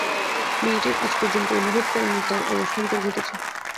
মেয়েটিও আজ পর্যন্ত অনুভব করে নি তার অবস্থান্তর ঘটেছে।